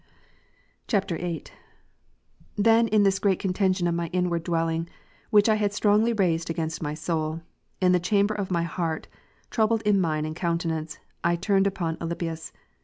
[VIII.] 19. Then in this great contention of my inward dwelling, which I had strongly raised against my soul, in th2 is. 26, chamber of my heart, troubled in mind and countenance, I g^ '^"*' turned upon Alypius.